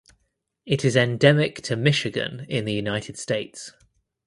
It is endemic to Michigan in the United States.